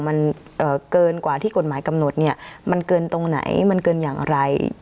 มันเกินกว่าที่กฎหมายกำหนดเนี่ยมันเกินตรงไหนมันเกินอย่างไร